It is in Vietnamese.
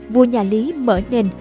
vua nhà lý mở nền